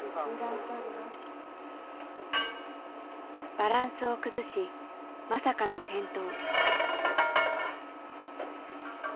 バランスを崩しまさかの転倒。